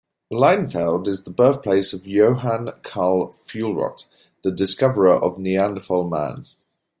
Leinefelde is the birthplace of Johann Carl Fuhlrott, the discoverer of Neanderthal man.